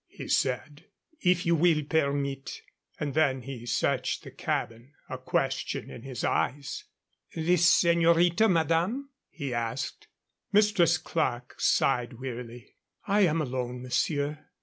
he said. "If you will permit " And then he searched the cabin, a question in his eyes. "The señorita, madame?" he asked. Mistress Clerke sighed wearily. "I am alone, monsieur.